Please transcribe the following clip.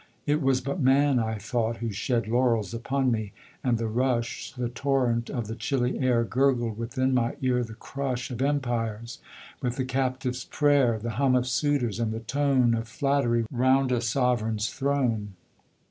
It was but man, I thought, who shed Laurels upon me: and the rush The torrent of the chilly air Gurgled within my ear the crush Of empires with the captive's prayer The hum of suitors and the tone Of flattery 'round a sovereign's throne.